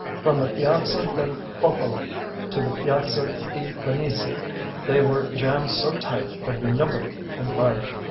From the Piazza del Popolo to the Piazza di Venezia they were jammed so tight that nobody could budge.